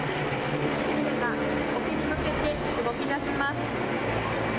船が沖に向けて動き出します。